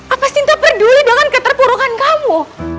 apa cinta peduli dengan keterpurukan kamu